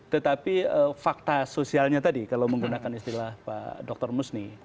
tetapi fakta sosialnya tadi kalau menggunakan istilah pak dr musni